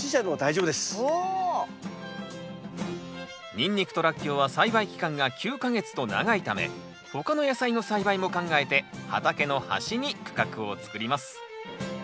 ニンニクとラッキョウは栽培期間が９か月と長いため他の野菜の栽培も考えて畑の端に区画を作ります。